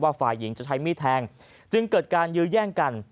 ฝ่ายหญิงจะใช้มีดแทงจึงเกิดการยื้อแย่งกัน